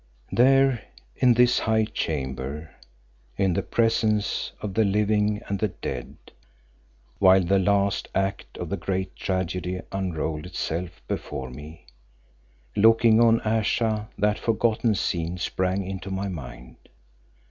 There in this high chamber, in the presence of the living and the dead, while the last act of the great tragedy unrolled itself before me, looking on Ayesha that forgotten scene sprang into my mind.